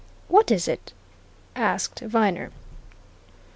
"What is it?" asked Viner.